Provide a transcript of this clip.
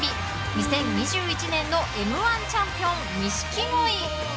２０２１年のＭ‐１チャンピオン錦鯉。